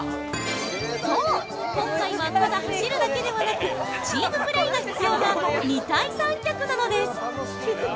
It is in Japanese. ◆そう、今回はただ走るだけではなくチームプレーが必要な二体三脚なのです。